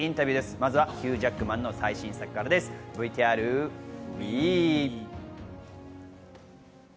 まずはヒュー・ジャックマンの最新作からＶＴＲＷＥ！